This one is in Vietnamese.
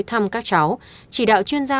thăm các cháu chỉ đạo chuyên gia